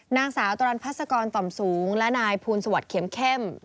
นางสาวตรันพัศกรต่อมสูงและนายภูลสวัสดิเข็มเข้ม